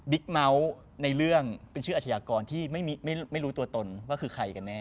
เมาส์ในเรื่องเป็นชื่ออาชญากรที่ไม่รู้ตัวตนว่าคือใครกันแน่